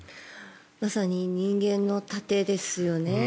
まさに人間の盾ですよね。